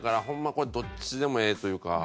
これどっちでもええというか。